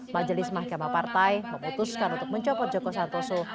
majelis mahkamah partai memutuskan untuk mencopot joko santoso